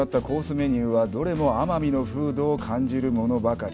メニューはどれも奄美の風土を感じるものばかり。